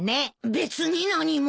別に何も。